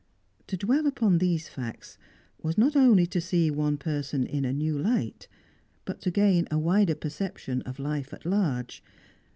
To dwell upon these facts was not only to see one person in a new light, but to gain a wider perception of life at large.